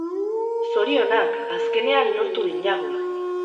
Zorionak! Azkenean lortu dinagu!